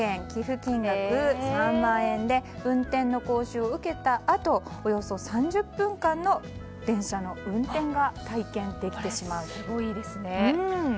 寄付金額３万円で運転の講習を受けたあとおよそ３０分間の電車の運転が体験できてしまう。